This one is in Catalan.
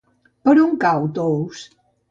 Per on cau Tous?